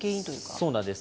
そうなんです。